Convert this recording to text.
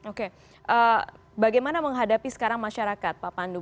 oke bagaimana menghadapi sekarang masyarakat pak pandu